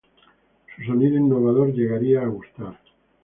Su sonido innovador llegaría a gustar.